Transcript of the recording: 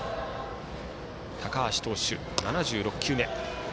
高橋投手、７６球目。